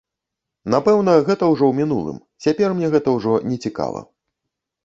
Напэўна, гэта ўжо ў мінулым, цяпер мне гэта ўжо не цікава.